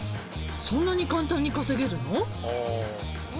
そんなに簡単に稼げるの？